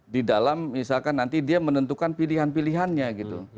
di dalam misalkan nanti dia menentukan pilihan pilihannya gitu